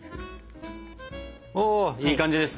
いい感じですね。